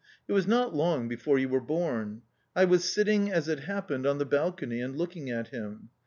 It was not long before you were born. I was sitting, as it happened, on the balcony and looking at him.